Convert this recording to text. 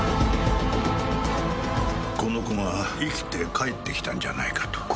この子が生きて帰ってきたんじゃないかと。